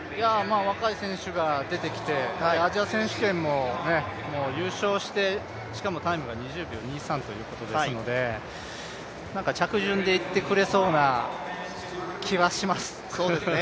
若い選手が出てきて、アジア選手権ももう優勝して、しかもタイムが２０秒２３ということですので着順でいってくれそうな気はします。